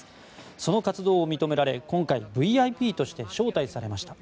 その活動を認められ、今回ＶＩＰとして招待されました。